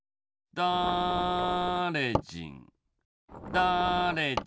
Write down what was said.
だれじんだれじ